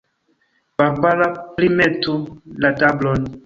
Barbara, primetu la tablon.